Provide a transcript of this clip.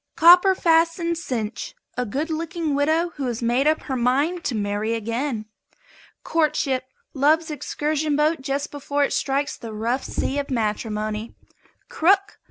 COPPER FASTENED CINCH. A good looking widow who has made up her mind to marry again. COURTSHIP. Love's excursion boat just before it strikes the rough sea of matrimony. CROOK.